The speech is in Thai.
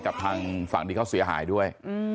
กับทางฝั่งที่เขาเสียหายด้วย